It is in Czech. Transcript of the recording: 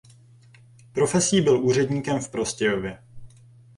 Profesí byl úředníkem v Prostějově.